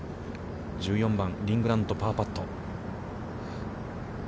１４番、リン・グラント、パーパット。